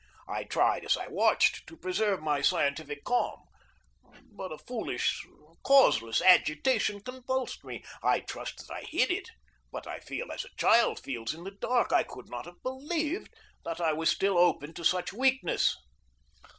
I tried as I watched to preserve my scientific calm, but a foolish, causeless agitation convulsed me. I trust that I hid it, but I felt as a child feels in the dark. I could not have believed that I was still open to such weakness.